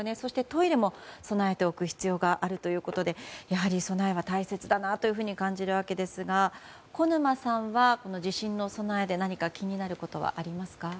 トイレも備えておく必要があるということでやはり備えは大切だなと感じるわけですが小沼さんは地震の備えで何か気になることはありますか。